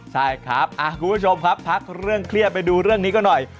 ใช่ครับคุณผู้ชมครับพักเรื่องเครียดไปดูเรื่องนี้ก็หน่อย